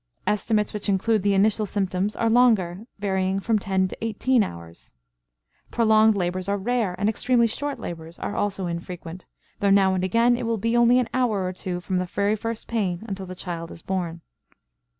Estimates which include the initial symptoms are longer, varying from ten to eighteen hours. Prolonged labors are rare; and extremely short labors are also infrequent, though now and again it will be only an hour or two from the very first pain until the child is born.